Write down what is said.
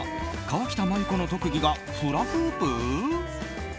河北麻友子の特技がフラフープ？